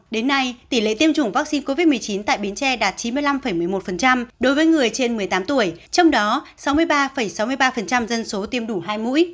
đến nay tỷ lệ tiêm chủng vaccine covid một mươi chín tại bến tre đạt chín mươi năm một mươi một đối với người trên một mươi tám tuổi trong đó sáu mươi ba sáu mươi ba dân số tiêm đủ hai mũi